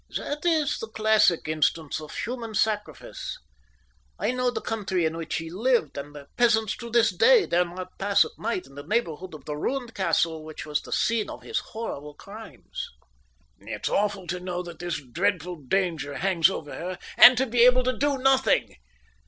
"That is the classic instance of human sacrifice. I know the country in which he lived; and the peasants to this day dare not pass at night in the neighbourhood of the ruined castle which was the scene of his horrible crimes." "It's awful to know that this dreadful danger hangs over her, and to be able to do nothing."